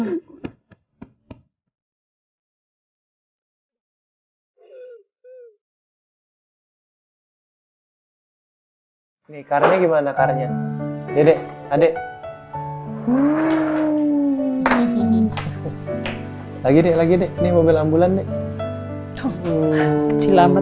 hai ini karena gimana karya dede adek adek lagi lagi ini mobil ambulansi kecil amat